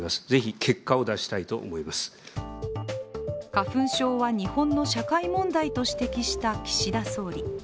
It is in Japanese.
花粉症は日本の社会問題と指摘した岸田総理。